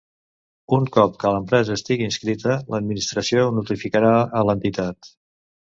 Un cop que l'empresa estigui inscrita, l'Administració ho notificarà a l'entitat.